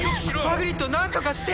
ハグリッド何とかして！